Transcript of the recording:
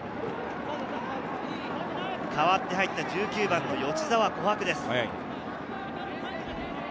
代わって入った１９番の吉澤胡珀です。